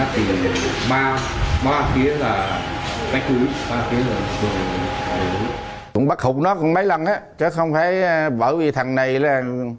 thêu cũng bắt khục nó mấy lần chứ không phải bởi vì thằng này là